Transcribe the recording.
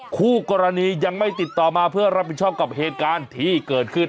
คู่กรณียังไม่ติดต่อมาเพื่อรับผิดชอบกับเหตุการณ์ที่เกิดขึ้น